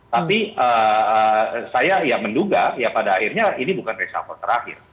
tapi saya ya menduga ya pada akhirnya ini bukan reshuffle terakhir